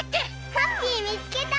ハッピーみつけた！